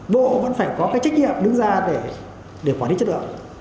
bộ vẫn phải có cái trách nhiệm đứng ra để quản lý chất lượng